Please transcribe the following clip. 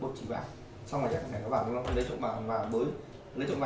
xong rồi chẳng hạn có bảo là không lấy trộm bảo